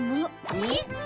えっ？